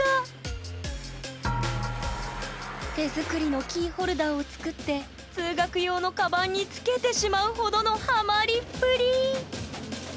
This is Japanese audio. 手作りのキーホルダーを作って通学用のカバンにつけてしまうほどのハマりっぷり！